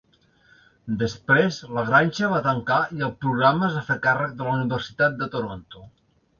Després, la granja va tancar i el programa es va fer càrrec de la Universitat de Toronto.